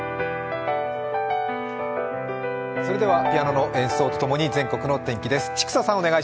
ピアノの演奏とともに全国の天気です。